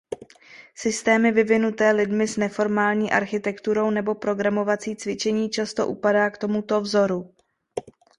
Systémy vyvinuté lidmi s neformální architekturou nebo programovací cvičení často upadá k tomuto vzoru.